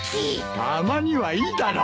たまにはいいだろう。